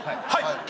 はい！